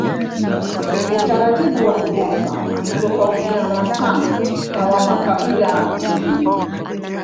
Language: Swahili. Utaratibu wa kuposa hutofautiani sana na wa makabila mengine